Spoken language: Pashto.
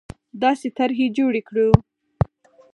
داسې طرحې جوړې کړو